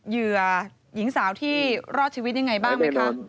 เหยื่อหญิงสาวที่รอดชีวิตยังไงบ้างไหมคะ